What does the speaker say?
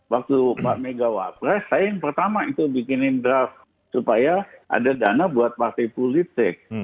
waktu pak megawapres saya yang pertama itu bikinin draft supaya ada dana buat partai politik